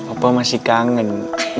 opa masih kangen